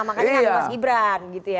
makanya kan mas gibran gitu ya